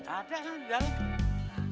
ada lah di dalam